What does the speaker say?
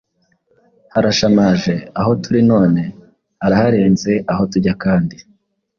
Harashamaje aho turi none, Haraharenze aho tujya kandi